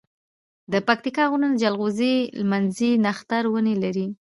دپکتيا غرونه جلغوزي، لمنځی، نښتر ونی لری